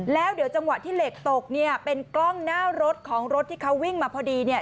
แล้วเดี๋ยวจังหวะที่เหล็กตกเนี่ยเป็นกล้องหน้ารถของรถที่เขาวิ่งมาพอดีเนี่ย